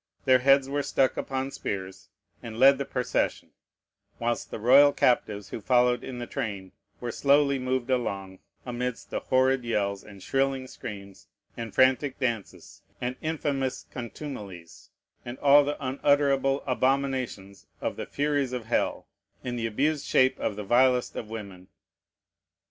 Their heads were stuck upon spears, and led the procession; whilst the royal captives who followed in the train were slowly moved along, amidst the horrid yells, and shrilling screams, and frantic dances, and infamous contumelies, and all the unutterable abominations of the furies of hell, in the abused shape of the vilest of women.